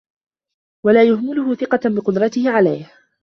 وَلَا يُهْمِلُهُ ثِقَةً بِقُدْرَتِهِ عَلَيْهِ